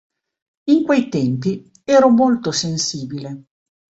In quei tempi ero molto sensibile.